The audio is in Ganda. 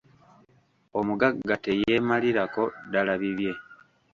Omugagga teyeemalirako ddala bibye.